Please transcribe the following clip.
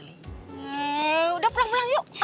yee udah pulang pulang yuk